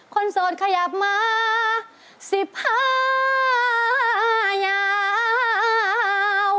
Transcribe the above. คนโสดขยับมาสิบห้ายาว